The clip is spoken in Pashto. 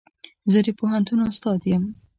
زه د پوهنتون استاد يم.